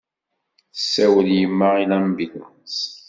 Tessawel yemma i lambilanṣ.